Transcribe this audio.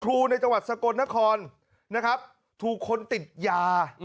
ในจังหวัดสกลนครนะครับถูกคนติดยา